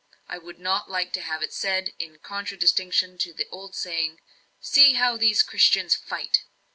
I would not like to have it said, in contradistinction to the old saying, 'See how these Christians FIGHT!'"